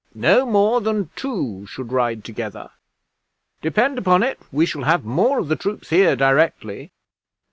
No more than two should ride together. Depend upon it, we shall have more of the troops here directly."